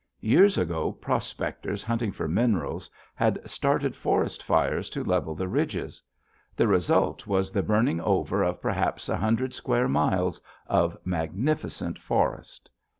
Years ago, prospectors hunting for minerals had started forest fires to level the ridges. The result was the burning over of perhaps a hundred square miles of magnificent forest.